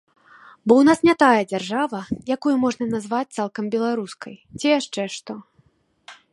Бо ў нас не тая дзяржава, якую можна назваць цалкам беларускай, ці яшчэ што?